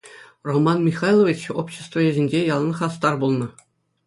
Роман Михайлович общество ӗҫӗнче ялан хастар пулнӑ.